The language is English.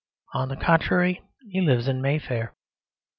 On the contrary, he lives in Mayfair.